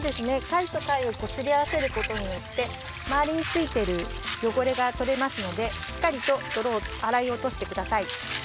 かいとかいをこすりあわせることによってまわりについてるよごれがとれますのでしっかりとどろをあらいおとしてください。